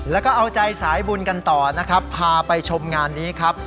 แล้วก็เอาใจสายบุญกันต่อนะครับพาไปชมงานนี้ครับ